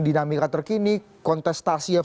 dinamika terkini kontestasi yang